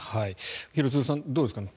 廣津留さんどうですかね。